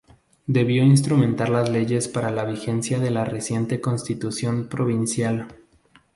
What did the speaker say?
Debió instrumentar las leyes para la vigencia de la reciente constitución provincial.